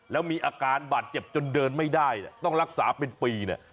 แล้วมีอาการบาดเจ็บจนเดินไม่ได้ต้องรักษาเป็นปีเนี่ย